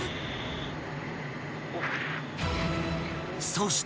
［そして］